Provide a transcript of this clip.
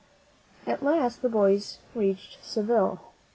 At last, the boys reached Seville.